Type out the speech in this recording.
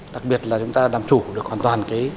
đặc biệt là chúng ta làm chủ được hoàn toàn